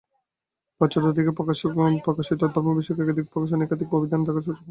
পাশ্চাত্য থেকে প্রকাশিত ধর্মবিষয়ক একাধিক প্রকাশনীর একাধিক অভিধান দেখার সুযোগ আমার হয়েছে।